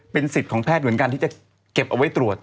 เป็นสิทธิ์ของแพทย์เหมือนกันที่จะเก็บเอาไว้ตรวจ